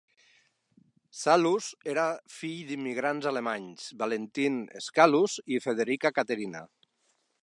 Shallus era fill d'immigrants alemanys, Valentine Schallus i Frederica Catherina.